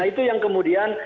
nah itu yang kemudian